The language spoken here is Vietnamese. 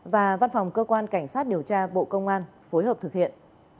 và văn phòng cơ quan cảnh sát điều tra bộ công an phối hợp thực hiện